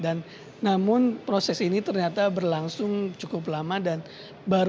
dan namun proses ini ternyata berlangsung cukup lama